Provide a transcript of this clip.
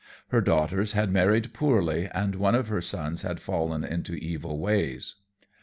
Her daughters had married poorly, and one of her sons had fallen into evil ways.